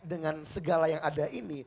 dengan segala yang ada ini